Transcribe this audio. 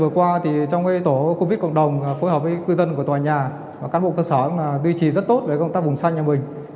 vừa qua trong tổ covid cộng đồng phối hợp với cư dân của tòa nhà các bộ cơ sở tuy trì rất tốt về công tác bùng xanh nhà mình